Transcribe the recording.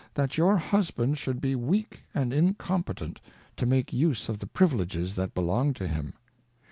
That your Husband should be weak and incompetent to make use of the Privileges that belong to him.